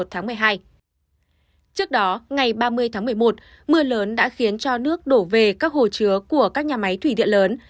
trước đó ngày ba mươi tháng một mươi một mưa lớn đã khiến cho nước đổ về các hồ chứa của các nhà máy thủy điện lớn